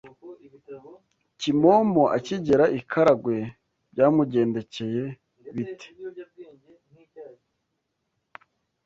Kimomo akigera i Karagwe byamugendekeye bite